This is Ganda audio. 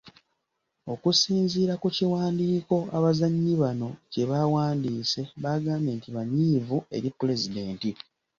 Okusinziira ku kiwandiiko abazannyi bano kye baawandiise baagambye nti banyiivu eri Pulezidenti.